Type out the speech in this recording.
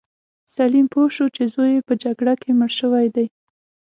سلیم پوه شو چې زوی یې په جګړه کې مړ شوی دی.